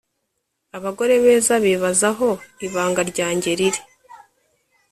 abagore beza bibaza aho ibanga ryanjye riri.